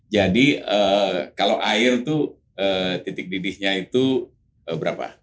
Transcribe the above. jadi kalau air itu titik didihnya itu berapa